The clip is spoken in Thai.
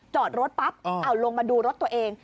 จอดรถปั๊บเอาลงมาดูรถตัวเอง